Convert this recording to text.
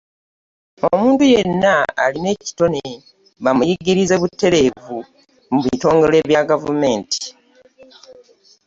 Omuntu yenna alina ekitone bamuyigirize butereevu mu bitongole bya gavumenti.